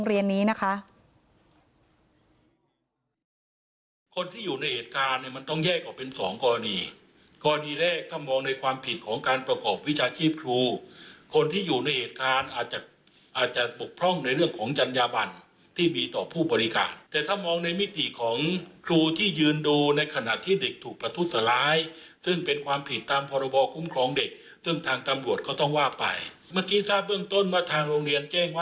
กรณีกรณีแรกถ้ามองในความผิดของการประกอบวิชาชีพครูคนที่อยู่ในเหตุการณ์อาจจะอาจจะปกพร่องในเรื่องของจัญญาบันที่มีต่อผู้บริการแต่ถ้ามองในมิติของครูที่ยืนดูในขณะที่เด็กถูกประทุษล้ายซึ่งเป็นความผิดตามภรพาคุ้มของเด็กซึ่งทางตำรวจเขาต้องว่าไปเมื่อกี้ทราบเบื้องต้นมาทางโรงเรียนแจ